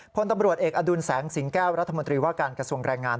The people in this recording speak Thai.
พลตำรวจเอกอดุลแสงสิงแก้วรัฐมนตรีว่าการกระทรวงแรงงาน